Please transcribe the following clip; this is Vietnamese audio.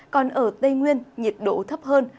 còn ở tây nguyên nhiệt độ thấp hơn